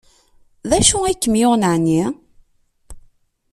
D acu ay kem-yuɣen ɛni?